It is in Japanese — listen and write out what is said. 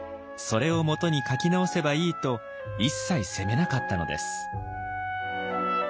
それを基に描き直せばいいと一切責めなかったのです。